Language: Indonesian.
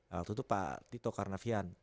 waktu itu pak tito karnavian